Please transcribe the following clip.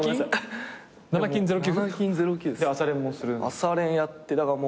朝練やってだからもう。